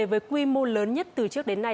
với quy mô lớn nhất từ trước đến nay